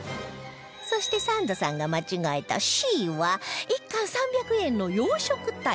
そしてサンドさんが間違えた Ｃ は１貫３００円の養殖タイ